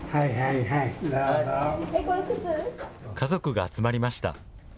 家族が集まりました。